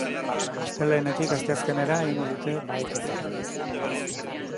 Astelehenetik asteazkenera egingo dute baheketa.